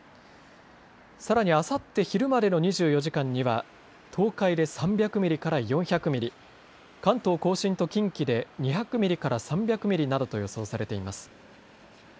さらにあさって昼までの２４時間には東海で３００ミリから４００ミリ、関東甲信と近畿で２００ミリから３００ミリなどと予想されています。